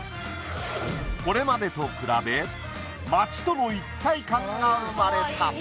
これまでと比べ街との一体感が生まれた。